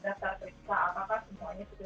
dasar kripto apakah semuanya setia